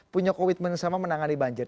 punya komitmen sama menangani banjir